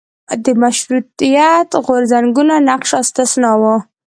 د مشروطیت غورځنګونو نقش استثنا و.